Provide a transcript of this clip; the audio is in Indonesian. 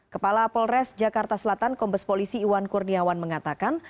kepala polres jakarta selatan kombes polisi iwan kurniawan mengatakan